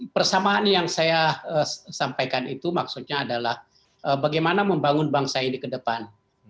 persamaan yang saya sampaikan itu maksudnya adalah bagaimana membangun bangsa ini ke depan